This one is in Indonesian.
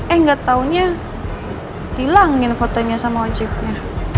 eh gak taunya dilangin fotonya sama ojeknya